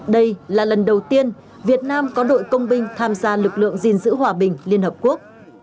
đây là lần đầu tiên việt nam có đội công binh tham gia lực lượng gìn giữ hòa bình liên hợp quốc